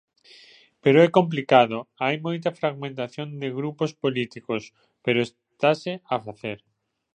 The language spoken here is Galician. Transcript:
Pero é complicado, hai moita fragmentación de grupos políticos, pero estase a facer.